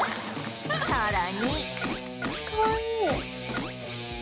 さらに